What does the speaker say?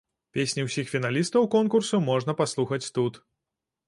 Песні ўсіх фіналістаў конкурсу можна паслухаць тут.